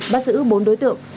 bắt giữ bốn đối tượng